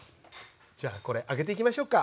じゃあこれ揚げていきましょうか。